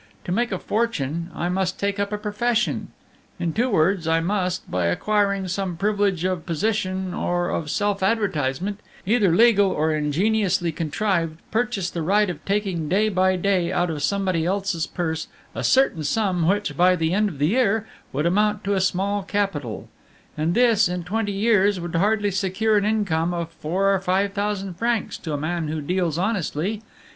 To make a fortune, I must take up a profession; in two words, I must, by acquiring some privilege of position or of self advertisement, either legal or ingeniously contrived, purchase the right of taking day by day out of somebody else's purse a certain sum which, by the end of the year, would amount to a small capital; and this, in twenty years, would hardly secure an income of four or five thousand francs to a man who deals honestly.